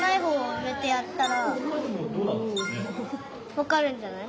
わかるんじゃない？